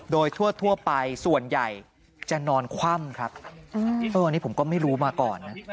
โดยทั่วไปส่วนใหญ่จะนอนคว่ำครับอันนี้ผมก็ไม่รู้มาก่อนนะ